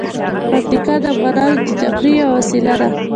پکتیکا د افغانانو د تفریح یوه وسیله ده.